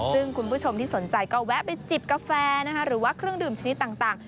ซึ่งคุณผู้ชมที่สนใจก็แวะไปจิบกาแฟหรือว่าเครื่องดื่มชนิดต่าง